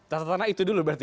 tata tanah itu dulu berarti